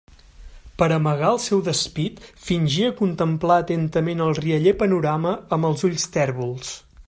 Per a amagar el seu despit, fingia contemplar atentament el rialler panorama amb els ulls tèrbols.